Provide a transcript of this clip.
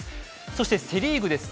そして、セ・リーグです。